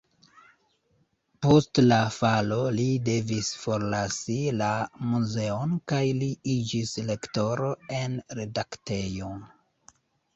Post la falo li devis forlasi la muzeon kaj li iĝis lektoro en redaktejo.